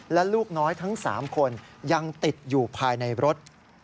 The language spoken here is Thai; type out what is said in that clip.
และลูกน้อยทั้ง๓คนยังติดอยู่ภายในรถ